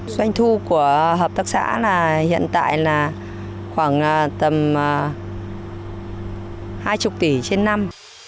doanh thu của hợp tác xã là hiện tại là khoảng tầm hai mươi tỷ trên năm